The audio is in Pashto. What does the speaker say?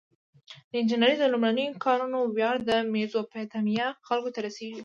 د انجنیری د لومړنیو کارونو ویاړ د میزوپتامیا خلکو ته رسیږي.